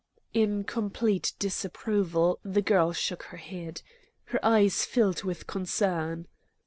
In complete disapproval the girl shook her head. Her eyes filled with concern.